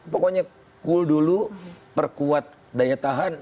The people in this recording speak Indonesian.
pokoknya cool dulu perkuat daya tahan